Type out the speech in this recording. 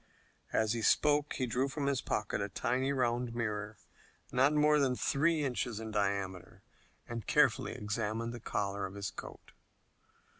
As he spoke he drew from his pocket a tiny round mirror, not more than three inches in diameter, and carefully examined the collar of his coat.